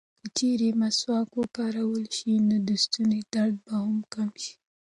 که چېرې مسواک وکارول شي، نو د ستوني درد به هم کم شي.